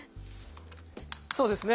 そうですね